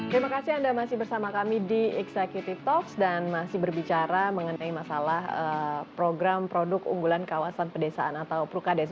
terima kasih anda masih bersama kami di executive talks dan masih berbicara mengenai masalah program produk unggulan kawasan pedesaan atau prukades